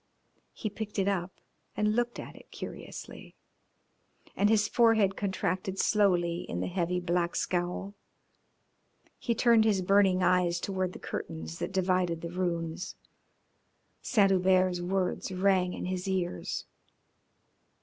He picked it up and looked at it curiously, and his forehead contracted slowly in the heavy black scowl. He turned his burning eyes toward the curtains that divided the rooms. Saint Hubert's words rang in his ears.